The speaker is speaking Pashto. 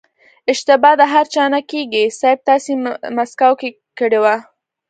اشتبا د هر چا نه کېږي صيب تاسې مسکو کې کړې وه.